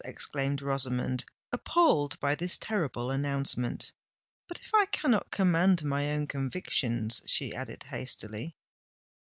exclaimed Rosamond, appalled by this terrible announcement. "But if I cannot command my own convictions?" she added hastily.